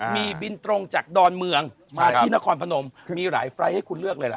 มีบินตรงจากดอนเมืองมาที่นครพนมมีหลายไฟล์ทให้คุณเลือกเลยล่ะ